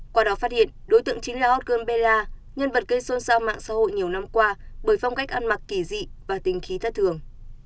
qua đó phát hiện đối tượng chính là hot girlberla nhân vật gây xôn xao mạng xã hội nhiều năm qua bởi phong cách ăn mặc kỳ dị và tình khí thất thường